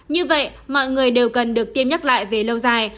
như vậy mọi người đều cần được tiêm nhắc lại về lâu dài